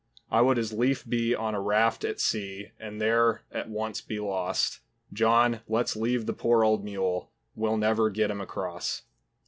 I would as leaf be on a raft at sea And there at once be lost. John, let's leave the poor old mule, We'll never get him across!